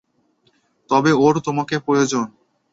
তবে ওর তোমাকে প্রয়োজন।